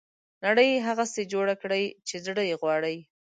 نړۍ هغسې جوړه کړي چې زړه یې غواړي.